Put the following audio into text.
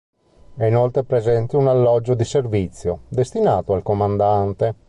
È inoltre presente un alloggio di servizio destinato al comandante.